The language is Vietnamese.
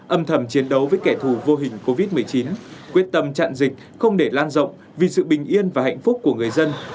âm thầm chiến đấu với kẻ thù vô hình covid một mươi chín quyết tâm chặn dịch không để lan rộng vì sự bình yên và hạnh phúc của người dân